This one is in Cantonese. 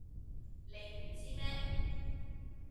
你唔知咩